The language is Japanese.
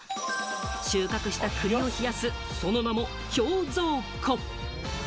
収穫した栗を冷やす、その名も氷蔵庫。